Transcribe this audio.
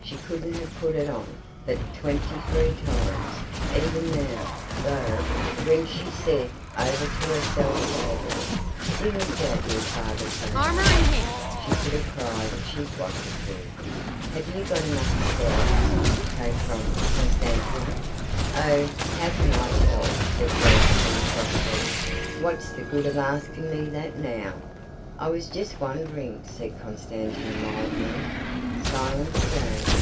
She couldn't have put it on—but twenty three times. Even now, though, when she said over to herself sadly "We miss our dear father so much," she could have cried if she'd wanted to. "Have you got enough stamps?" came from Constantia. "Oh, how can I tell?" said Josephine crossly. "What's the good of asking me that now?" "I was just wondering," said Constantia mildly. Silence again.